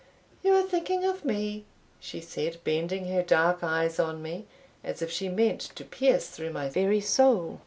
"You are thinking of me," she said, bending her dark eyes on me, as if she meant to pierce through my very soul.